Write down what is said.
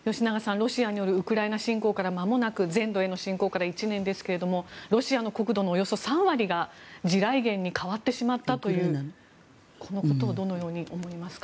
ロシアによるウクライナ侵攻からまもなく１年ですがロシアの国土のおよそ３割が地雷原に変わってしまったというこのことをどのように思いますか。